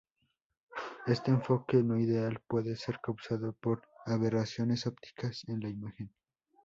Este enfoque no ideal puede ser causado por aberraciones ópticas en la imagen.